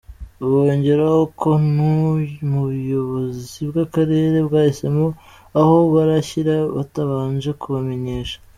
Bongeraho ko n’ubuyobozi bw’akarere bwahisemo aho barishyira batabanje kubamenyesha.